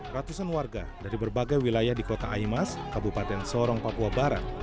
ratusan warga dari berbagai wilayah di kota aimas kabupaten sorong papua barat